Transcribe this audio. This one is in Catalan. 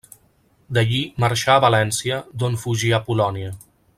D'allí marxà a València, d'on fugí a Polònia.